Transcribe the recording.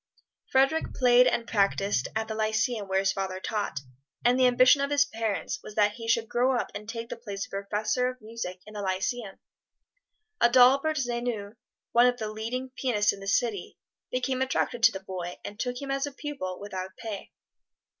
Frederic played and practised at the Lyceum where his father taught, and the ambition of his parents was that he should grow up and take the place of Professor of Music in the Lyceum. Adalbert Zevyny, one of the leading pianists in the city, became attracted to the boy and took him as a pupil, without pay.